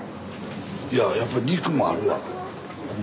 いややっぱり肉もあるわ。